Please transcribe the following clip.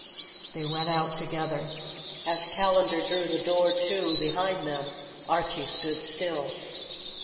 They went out together. As Callandar drew the door to behind them Archie stood still.